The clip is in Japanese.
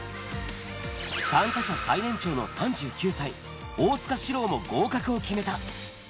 参加者最年長の３９歳、大塚志郎も合格を決めた。